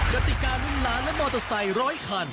กติการุ่นล้านและมอเตอร์ไซค์ร้อยคัน